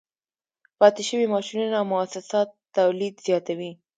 پاتې شوي ماشینونه او موسسات تولید زیاتوي